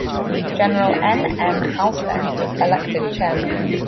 General N. M. Halsted was elected Chairman.